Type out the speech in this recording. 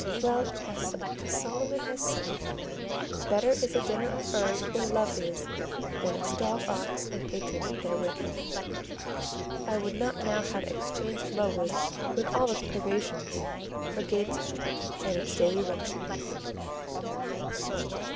Well has Solomon said—"Better is a dinner of herbs where love is, than a stalled ox and hatred therewith." I would not now have exchanged Lowood with all its privations for Gateshead and its daily luxuries.